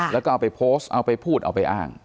แล้วก็เอาไปโพสต์เอาไปพูดเอาไปอ้าง